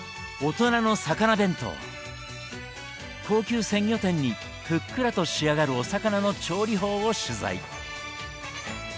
高級鮮魚店にふっくらと仕上がるお魚の調理法を取材。